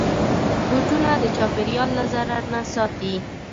بوټونه د چاپېریال له ضرر نه ساتي.